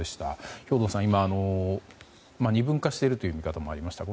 兵頭さん、二分化しているという見方もありました。